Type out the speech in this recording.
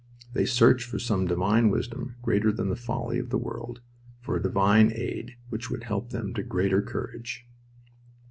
They searched for some divine wisdom greater than the folly of the world, for a divine aid which would help them to greater courage.